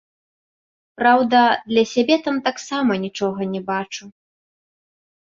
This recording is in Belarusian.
Праўда, для сябе там таксама нічога не бачу.